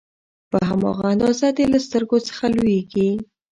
په هماغه اندازه دې له سترګو څخه لوييږي